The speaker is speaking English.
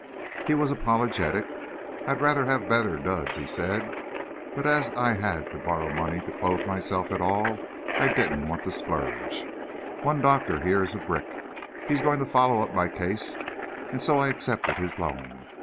He was apologetic. "I'd rather have better duds," he said, "but as I had to borrow money to clothe myself at all, I didn't want to splurge. One doctor here is a brick! He's going to follow up my 'case,' and so I accepted his loan.